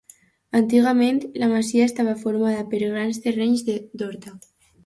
Antigament, la masia estava formada per grans terrenys d'horta.